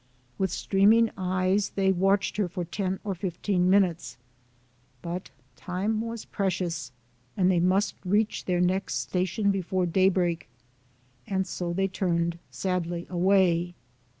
With streaming eyes, they watched her for ten or fifteen minutes ; but time was precious, and they must reach their next station before daybreak, and so they turned sadly away.